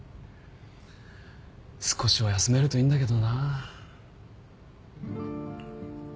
少しは休めるといいんだけどな。